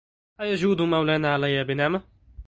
أيجود مولانا علي بنعمة